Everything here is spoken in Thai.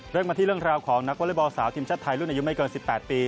เริ่มมาที่เรื่องราวของนักวอเล็กบอลสาวทีมชาติไทยรุ่นอายุไม่เกิน๑๘ปี